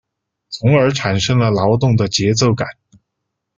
从而产生了劳动的节奏感。